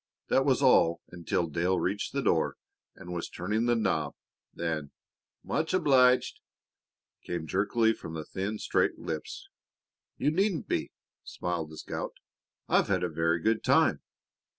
That was all until Dale reached the door and was turning the knob. Then, "Much obleeged," came jerkily from the thin, straight lips. "You needn't be," smiled the scout. "I I've had a very good time."